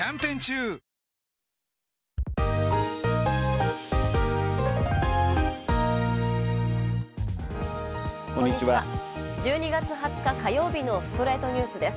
１２月２０日、火曜日の『ストレイトニュース』です。